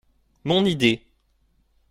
Mon idée.